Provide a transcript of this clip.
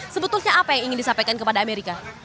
sebetulnya apa yang ingin disampaikan kepada amerika